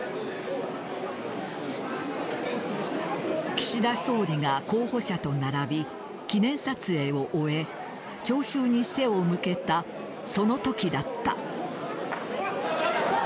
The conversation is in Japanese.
岸田総理が候補者と並び記念撮影を終え聴衆に背を向けたそのときだった。